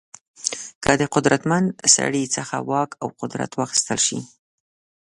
که د قدرتمن سړي څخه واک او قدرت واخیستل شي.